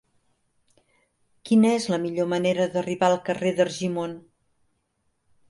Quina és la millor manera d'arribar al carrer d'Argimon?